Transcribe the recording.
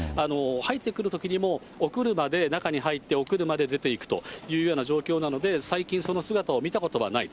入ってくるときにもお車で中に入って、お車で出ていくというような状況なので、最近、その姿を見たことはない。